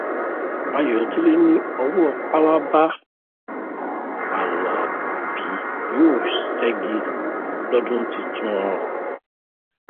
Ayọ̀délé ní ọwọ́ pálábá Àlàbí yóò ségi lọ́dún tuntun.